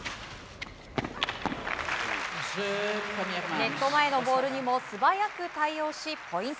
ネット前のボールにも素早く対応し、ポイント。